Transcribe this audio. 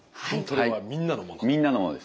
みんなのものです。